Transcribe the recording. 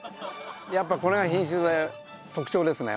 やっぱこれが品種の特徴ですね。